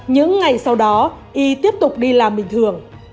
những ngày sau đó y tiếp tục đi làm bình thường